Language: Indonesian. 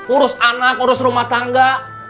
urus anak urus rumah tangga